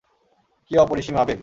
কী অপরিসীম আবেগ!